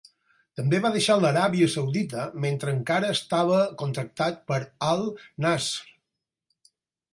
També va deixar l'Aràbia Saudita mentre encara estava contractat per Al Nassr.